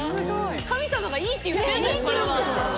神様がいいって言ってるんだよ、それは。